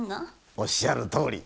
おっしゃるとおり。